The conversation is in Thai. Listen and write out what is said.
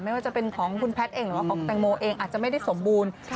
ไม่ว่าจะเป็นของคุณแพทย์เองหรือว่าของคุณแตงโมเองอาจจะไม่ได้สมบูรณ์